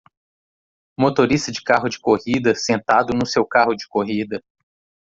Motorista de carro de corrida sentado no seu carro de corrida